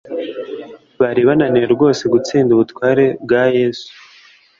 Bari bananiwe rwose gutsinda ubutware bwa Yesu